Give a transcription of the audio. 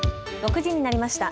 ６時になりました。